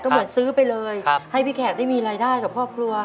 เหมือนซื้อไปเลยให้พี่แขกได้มีรายได้กับครอบครัว